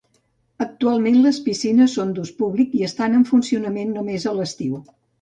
Actualment les piscines són d'ús públic i estan en funcionament només a l'estiu.